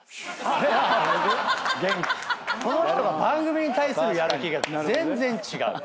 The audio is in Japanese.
この人が番組に対するやる気が全然違う。